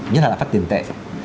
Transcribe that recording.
nhất là lạc phát tiền tệ